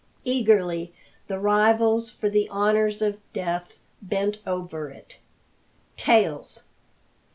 Eagerly the rivals for the honours of death bent over it. "Tails!"